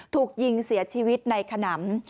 ถูกยิงเสียชีวิตในขนำ